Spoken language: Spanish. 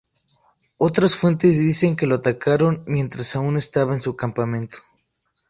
Otras fuentes dicen que lo atacaron mientras aún estaba en su campamento.